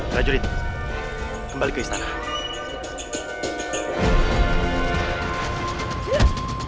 rajurit kembali ke istana